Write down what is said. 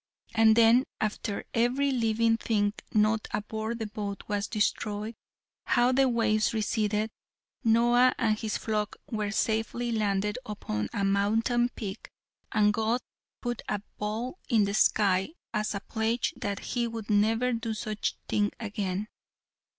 And then after every living thing not aboard the boat was destroyed, how the waves receded, Noah and his flock were safely landed upon a mountain peak, and God put a bow into the sky as a pledge that he would never do such a thing again.